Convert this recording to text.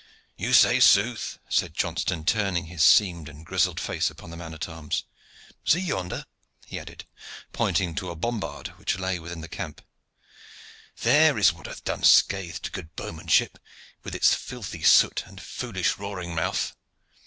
"You say sooth," said Johnston, turning his seamed and grizzled face upon the man at arms. "See yonder," he added, pointing to a bombard which lay within the camp: "there is what hath done scath to good bowmanship, with its filthy soot and foolish roaring mouth.